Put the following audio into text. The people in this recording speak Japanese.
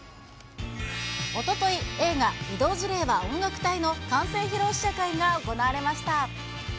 おととい、映画、異動辞令は音楽隊！の完成披露試写会が行われました。